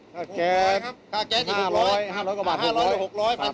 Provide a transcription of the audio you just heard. ค่าแก๊ส๕๐๐คือ๖๐๐เบาะแน่นอน